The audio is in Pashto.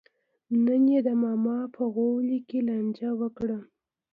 نن یې د ماما په غولي کې لانجه وکړه.